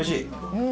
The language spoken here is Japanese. うん。